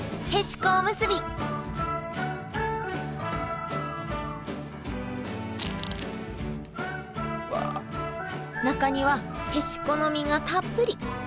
へしこおむすび中にはへしこの身がたっぷり。